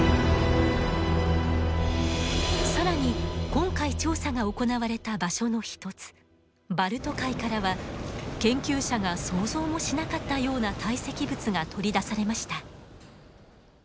更に今回調査が行われた場所の一つバルト海からは研究者が想像もしなかったような堆積物が取り出されました。